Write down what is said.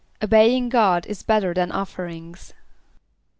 ="Obeying God is better than offerings."